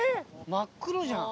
真っ黒じゃん。